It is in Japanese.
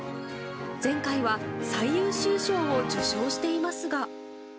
前回は最優秀賞を受賞していますが。